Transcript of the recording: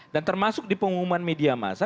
dan termasuk di pengumuman media masa